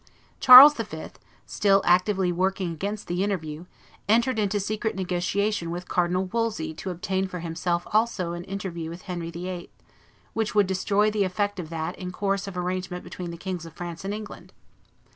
Charles V., still actively working against the interview, entered into secret negotiation with Cardinal Wolsey to obtain for himself also an interview with Henry VIII., which would destroy the effect of that in course of arrangement between the Kings of France and England.